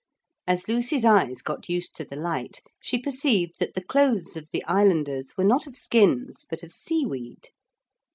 As Lucy's eyes got used to the light she perceived that the clothes of the islanders were not of skins but of seaweed.